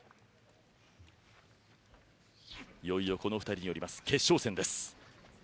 いよいよこの２人による決勝戦です。